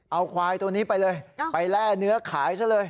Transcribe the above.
เอาควายตัวนี้ไปเลยไปแร่เนื้อขายซะเลย